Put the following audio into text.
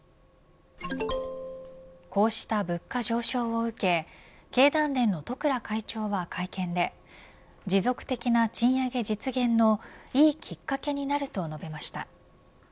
こうした物価上昇を受け経団連の十倉会長は会見で持続的な賃上げ実現のいいきっかけになると述べました。